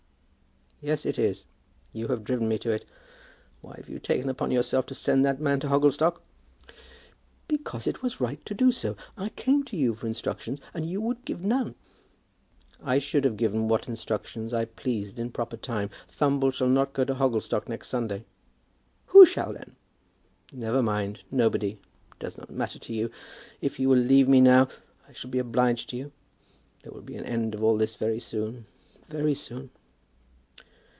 "Yes, it is. You have driven me to it. Why have you taken upon yourself to send that man to Hogglestock?" "Because it was right to do so. I came to you for instructions, and you would give none." "I should have given what instructions I pleased in proper time. Thumble shall not go to Hogglestock next Sunday." "Who shall go, then?" "Never mind. Nobody. It does not matter to you. If you will leave me now I shall be obliged to you. There will be an end of all this very soon, very soon."